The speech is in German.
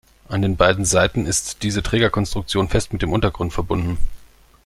An den beiden Seiten ist diese Träger-Konstruktion fest mit dem Untergrund verbunden.